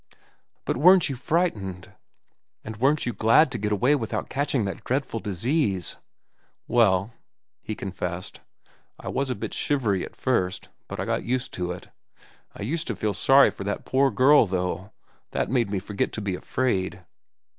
"But weren't you frightened? And weren't you glad to get away without catching that dreadful disease?" "Well," he confessed, "I was a bit shivery at first; but I got used to it. I used to feel sorry for that poor girl, though. That made me forget to be afraid.